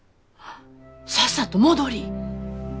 さっさと戻りい。